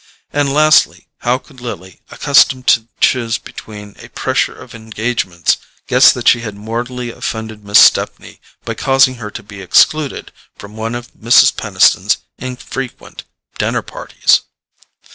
And, lastly, how could Lily, accustomed to choose between a pressure of engagements, guess that she had mortally offended Miss Stepney by causing her to be excluded from one of Mrs. Peniston's infrequent dinner parties?